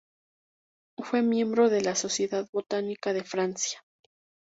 Fue miembro de la Sociedad Botánica de Francia.